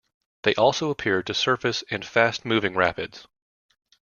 They also appear to surface in fast-moving rapids.